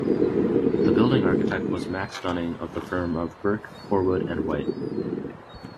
The building architect was Max Dunning of the firm of Burke, Horwood and White.